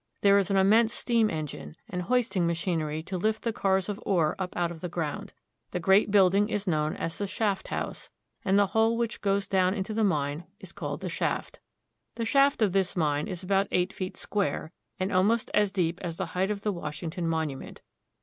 There is an immense steam engine, and hoisting machinery to lift the cars of ore up out of the ground. The great building is known as the shaft house, and the hole which goes down into the mine is called the shaft. The shaft of this mine is about eight feet square, and almost as deep as the height of the Washington Monument.